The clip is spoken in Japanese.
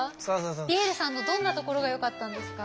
ピエールさんのどんなところがよかったんですか？